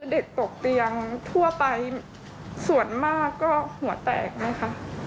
เด็กตกเตียงทั่วไปส่วนมากก็หัวแตกนะคะ